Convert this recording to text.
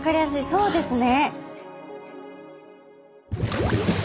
そうですね。